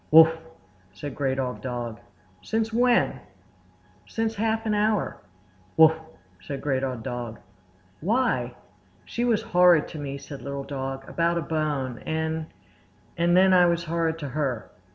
"Wuff!" said Great Old Dog. "Since when?" "Since half an hour." "Wuff!" said Great Old Dog. "Why?" "She was horrid to me," said Little Dog, "about a bone; and—and then I was horrid to her."